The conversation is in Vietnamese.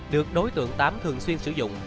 được đối tượng tám thường xuyên sử dụng